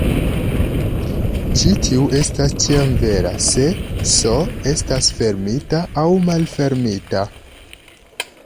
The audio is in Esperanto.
Ĉi tiu estas ĉiam vera se "S" estas fermita aŭ malfermita.